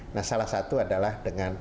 nah salah satu adalah dengan